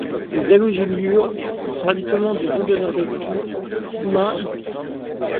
Les halogénures sont habituellement de bons donneurs d'électrons σ et π.